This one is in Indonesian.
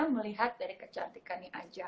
melihat dari kecantikan aja